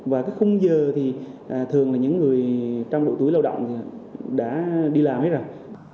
và cái khung giờ thì thường là những người trong độ tuổi lao động thì đã đi làm hết rồi